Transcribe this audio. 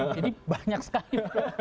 jadi banyak sekali